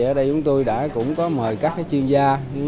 ở đây chúng tôi đã cũng có mời các chuyên gia